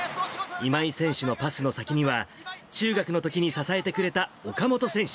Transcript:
今井選手のパスの先には、中学のときに支えてくれた岡本選手。